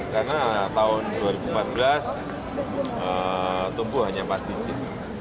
karena tahun dua ribu empat belas tumbuh hanya empat digit